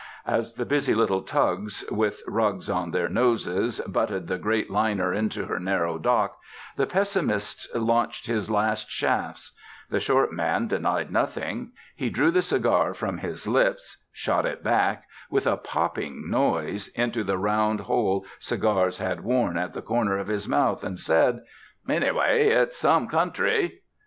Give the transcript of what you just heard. As the busy little tugs, with rugs on their noses, butted the great liner into her narrow dock, the pessimist launched his last shafts. The short man denied nothing. He drew the cigar from his lips, shot it back with a popping noise into the round hole cigars had worn at the corner of his mouth, and said, "Anyway, it's some country."